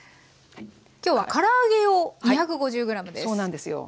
今日はから揚げ用２５０ｇです。